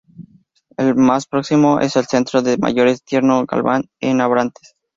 El más próximo en es el centro de mayores Tierno Galván, en Abrantes.